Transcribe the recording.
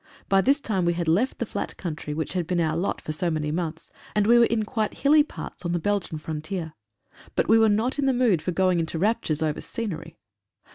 By this time we had left the flat country which had been our lot for so many months, and we were in quite hilly parts on the Belgian frontier. But we were not in the mood for going into raptures over scenery.